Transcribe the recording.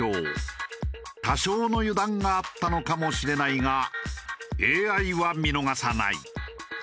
多少の油断があったのかもしれないがＡＩは見逃さない。